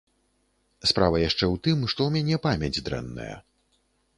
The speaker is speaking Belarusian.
Справа яшчэ ў тым, што ў мяне памяць дрэнная.